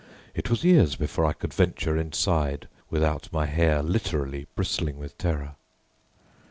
It was years before I could venture inside without my hair literally bristling with terror."